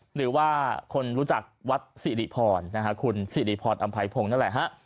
หรือว่าคนรู้จักวัดศรีริพรคุณศรีริพรอำเภพงศ์นั่นแหละฮะ